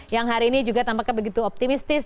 yang hari ini juga tampaknya begitu optimistis